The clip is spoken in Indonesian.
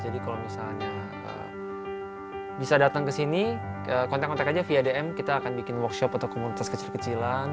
jadi kalau misalnya bisa datang kesini kontak kontak aja via dm kita akan bikin workshop atau komunitas kecil kecilan